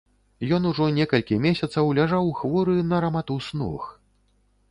Ён ужо некалькі месяцаў ляжаў хворы на раматус ног.